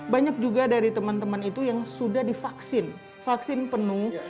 banyak juga dari teman teman itu yang sudah divaksin vaksin penuh